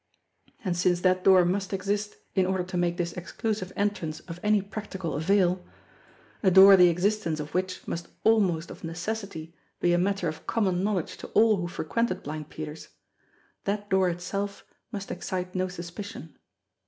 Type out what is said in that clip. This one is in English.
And since that door must exist in order to make this exclusive entrance of any practical avail, a door the existence of which must almost of necessity be a matter of common knowledge to all who frequented Blind Peter's, that door itself must excite no suspicion.